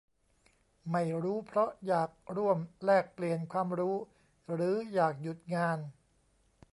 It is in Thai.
ไม่รู้เพราะอยากร่วมแลกเปลี่ยนความรู้ หรืออยากหยุดงาน